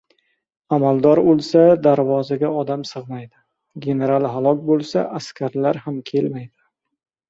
• Amaldor o‘lsa, darvozaga odam sig‘maydi, general halok bo‘lsa askarlar ham kelmaydi.